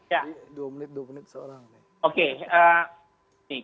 ya dua menit berikutnya